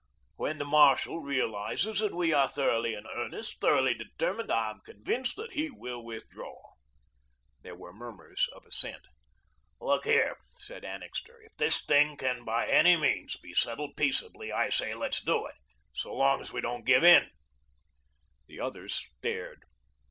When the marshal realises that we are thoroughly in earnest, thoroughly determined, I am convinced that he will withdraw." There were murmurs of assent. "Look here," said Annixter, "if this thing can by any means be settled peaceably, I say let's do it, so long as we don't give in." The others stared.